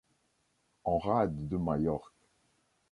En rade de Majorque.